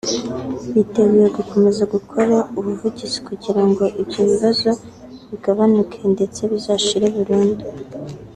biteguye gukomeza gukora ubuvugizi kugira ngo ibyo bibazo bigabanuke ndetse bizashire burundu